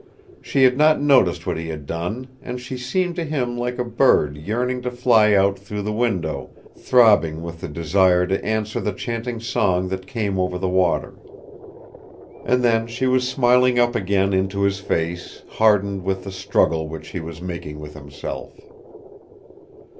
She had not noticed what he had done, and she seemed to him like a bird yearning to fly out through the window, throbbing with the desire to answer the chanting song that came over the water. And then she was smiling up again into his face hardened with the struggle which he was making with himself.